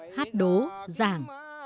hát đố giảng